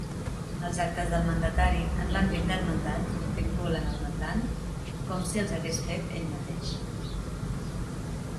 Els actes del mandatari, en l'àmbit del mandat, vinculen el mandant com si els hagués fet ell mateix.